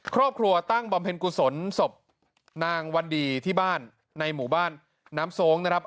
ครอบครัวตั้งบำเพ็ญกุศลศพนางวันดีที่บ้านในหมู่บ้านน้ำโซ้งนะครับ